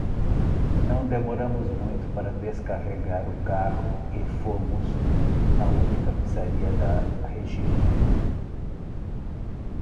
Não demoramos muito para descarregar o carro e fomos na única pizzaria da região.